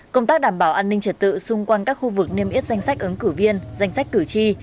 công tác đảm bảo an ninh trật tự xung quanh các khu vực niêm yết danh sách ứng cử viên danh sách cử tri